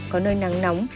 có nơi nắng nóng